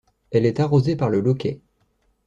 Elle est arrosée par le Lauquet.